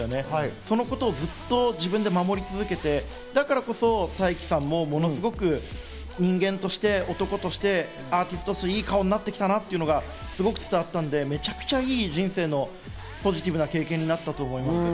そのことをずっと自分で守り続けて、だからこそタイキさんも、ものすごく人間として、男として、アーティストとしていい顔になってきたなというのがすごく伝わったので、めちゃくちゃいい人生のポジティブな経験になったと思います。